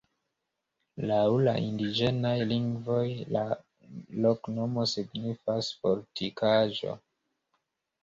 Laŭ la indiĝenaj lingvoj la loknomo signifas: fortikaĵo.